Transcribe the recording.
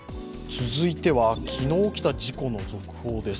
続いては昨日起きた事故の続報です。